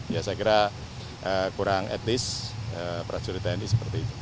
ya saya kira kurang etis prajurit tni seperti itu